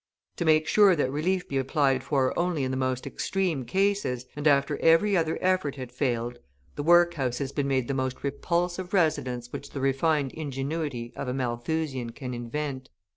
To make sure that relief be applied for only in the most extreme cases and after every other effort had failed, the workhouse has been made the most repulsive residence which the refined ingenuity of a Malthusian can invent.